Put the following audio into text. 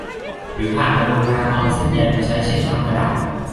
หรือผ่านกระบวนการเอาเส้นใยมาใช้ เช่นทำกระดาษ